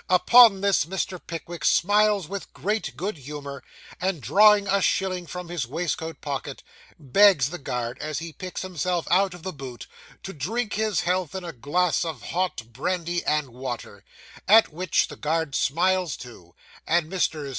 Upon this, Mr. Pickwick smiles with great good humour, and drawing a shilling from his waistcoat pocket, begs the guard, as he picks himself out of the boot, to drink his health in a glass of hot brandy and water; at which the guard smiles too, and Messrs.